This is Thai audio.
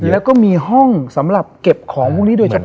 แล้วก็มีห้องสำหรับเก็บของพวกนี้โดยเฉพาะ